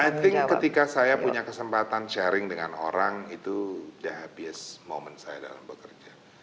i think ketika saya punya kesempatan sharing dengan orang itu sudah habis momen saya dalam bekerja